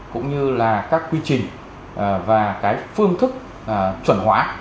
cũng như là các quy trình và cái phương thức chuẩn hóa